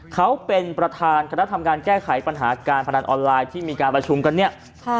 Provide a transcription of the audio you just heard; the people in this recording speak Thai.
เขาเป็นประธานคณะทำการแก้ไขปัญหาการพนันออนไลน์ที่มีการประชุมกันเนี่ย